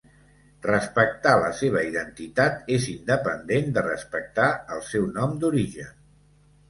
Respectar la seva identitat és independent de respectar el seu nom d'origen.